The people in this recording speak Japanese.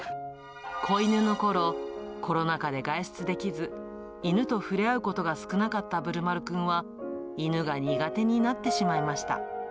子犬のころ、コロナ禍で外出できず、犬と触れ合うことが少なかったぶるまるくんは、犬が苦手になってしまいました。